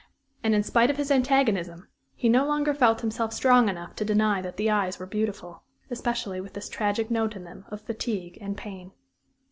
And in spite of his antagonism he no longer felt himself strong enough to deny that the eyes were beautiful, especially with this tragic note in them of fatigue and pain.